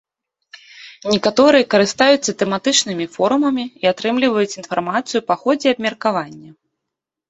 Некаторыя карыстаюцца тэматычнымі форумамі і атрымліваюць інфармацыю па ходзе абмеркавання.